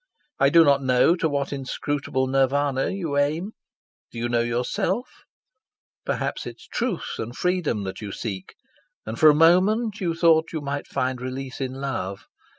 I do not know to what inscrutable Nirvana you aim. Do you know yourself? Perhaps it is Truth and Freedom that you seek, and for a moment you thought that you might find release in Love.